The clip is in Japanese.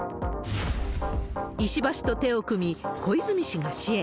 石破氏と手を組み、小泉氏が支援。